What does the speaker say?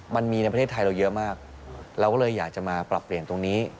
ในประเทศไทยเราเยอะมากเราก็เลยอยากจะมาปรับเปลี่ยนตรงนี้